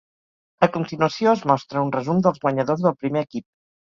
A continuació es mostra un resum dels guanyadors del primer equip.